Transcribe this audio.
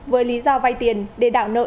với lý do vay tiền để đảo nợ